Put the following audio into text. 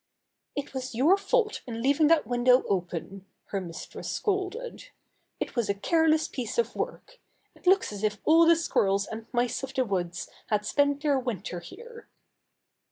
"It was your fault in leaving that window open," her mistress scolded. "It was a care less piece of work. It looks as if all the squir 22 Bobby Gray Squirrel's Adventures rels and mice of the woods had spent their winter here."